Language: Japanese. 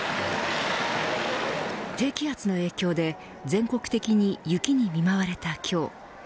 低気圧の影響で全国的に雪に見舞われた今日。